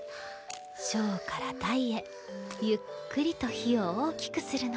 小から大へゆっくりと火を大きくするの。